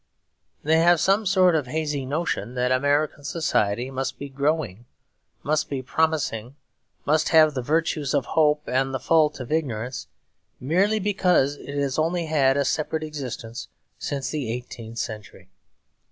They have some sort of hazy notion that American society must be growing, must be promising, must have the virtues of hope or the faults of ignorance, merely because it has only had a separate existence since the eighteenth century.